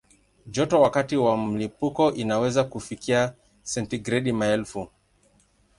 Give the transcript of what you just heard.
Joto wakati wa mlipuko inaweza kufikia sentigredi maelfu.